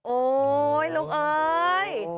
โอ้ยลูกเอ้ย